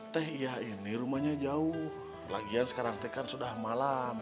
teh iya ini rumahnya jauh lagian sekarang teh kan sudah malam